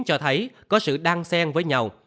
cho thấy có sự đăng sen với nhau